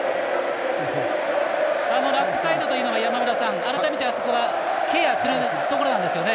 あのラックサイドは改めて、あそこはケアするところなんですよね。